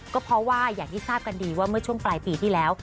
ก็เพราะว่าอย่างที่ทราบกันดีว่าเมื่อช่วงปลายปีที่แล้ว